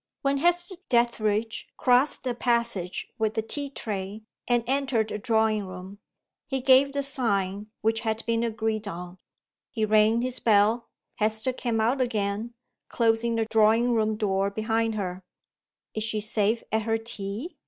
When Hester Dethridge crossed the passage with the tea tray, and entered the drawing room, he gave the sign which had been agreed on. He rang his bell. Hester came out again, closing the drawing room door behind her. "Is she safe at her tea?"